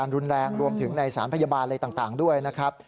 รุนแรงรวมถึงในสารพยาบาลอะไรต่างด้วยนะครับ